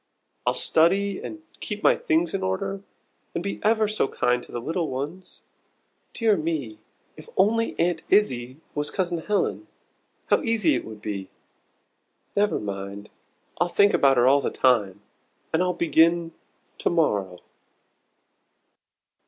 I'll study, and keep my things in order, and be ever so kind to the little ones. Dear me if only Aunt Izzie was Cousin Helen, how easy it would be! Never mind I'll think about her all the time, and I'll begin to morrow."